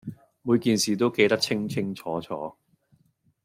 每件事都記得清清楚楚